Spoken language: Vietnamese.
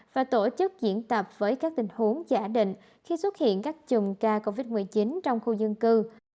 và tổ chức diễn tập với các tình huống giả định khi xuất hiện các chùm ca covid một mươi chín trong khu dân cư